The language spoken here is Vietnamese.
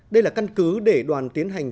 đây là căn cứ để đoàn tiến hành